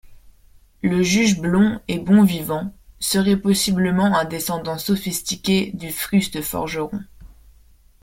Le juge blond et bon vivant serait possiblement un descendant sophistiqué du fruste forgeron.